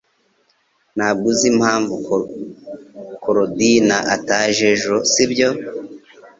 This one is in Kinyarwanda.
Ntabwo uzi impamvu Korodina ataje ejo sibyo